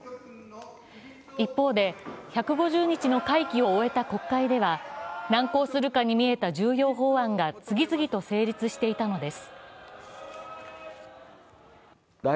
一方で、１５０日の会期を終えた国会では難航するかに見えた重要法案が次々と成立していたのです。